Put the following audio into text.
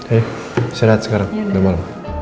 ayo siadat sekarang udah malem